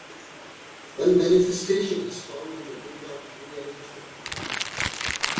One manifestation is found in the Dimroth rearrangement.